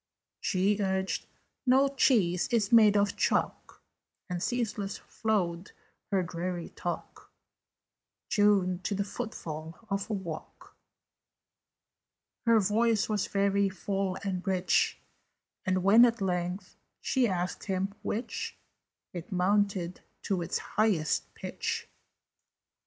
She urged "No cheese is made of chalk": And ceaseless flowed her dreary talk, Tuned to the footfall of a walk. Her voice was very full and rich, And, when at length she asked him "Which?" It mounted to its highest pitch.